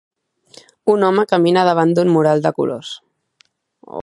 Un home camina davant d'un mural de colors.